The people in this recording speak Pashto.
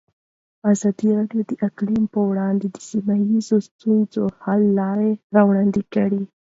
ازادي راډیو د اقلیم په اړه د سیمه ییزو ستونزو حل لارې راوړاندې کړې.